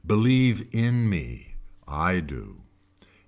Believe in me. I do.